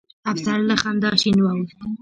افسر له خندا شين واوښت.